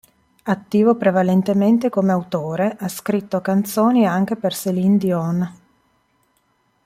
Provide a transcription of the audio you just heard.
Attivo prevalentemente come autore, ha scritto canzoni anche per Céline Dion.